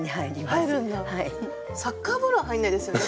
サッカーボールは入んないですよね？